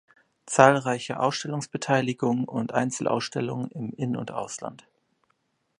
Zahlreiche Ausstellungsbeteiligungen und Einzelausstellungen im In- und Ausland.